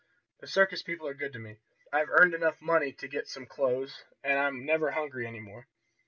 The circus people are good to me. I've earned enough money to get some clothes, and I'm never hungry any more.